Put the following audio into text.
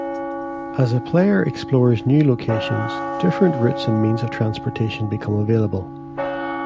As a player explores new locations, different routes and means of transportation become available.